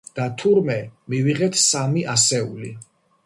და თურმე მივიღეთ სამი ასეული.